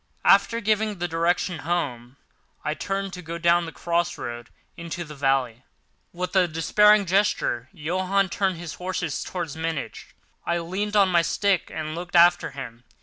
After giving the direction, "Home!" I turned to go down the cross road into the valley. With a despairing gesture, Johann turned his horses towards Munich. I leaned on my stick and looked after him.